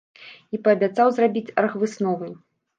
І паабяцаў зрабіць аргвысновы.